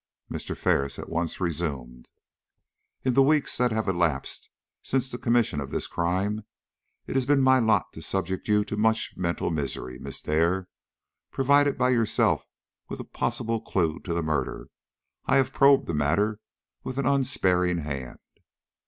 Mr. Ferris at once resumed: "In the weeks that have elapsed since the commission of this crime, it has been my lot to subject you to much mental misery, Miss Dare. Provided by yourself with a possible clue to the murder, I have probed the matter with an unsparing hand.